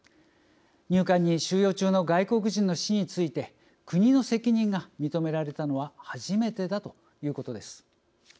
入管に収容中の外国人の死について国の責任が認められたのは初めてだということです。